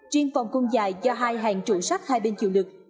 chuyên phòng cung dài do hai hàng trụ sắt hai bên chiều lực